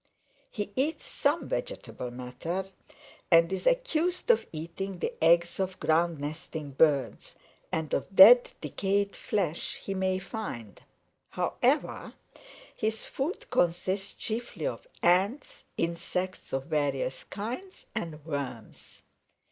He eats some vegetable matter and is accused of eating the eggs of ground nesting birds, and of dead decayed flesh he may find. However, his food consists chiefly of Ants, insects of various kinds, and worms.